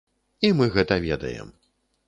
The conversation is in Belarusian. І мы гэта ведаем.